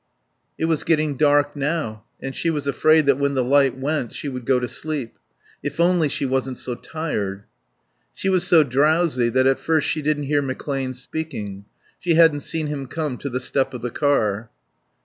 It was getting dark now, and she was afraid that when the light went she would go to sleep. If only she wasn't so tired. She was so drowsy that at first she didn't hear McClane speaking, she hadn't seen him come to the step of the car.